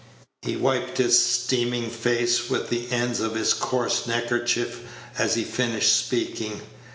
He wiped his streaming face with the ends of his coarse neckerchief as he finished speaking.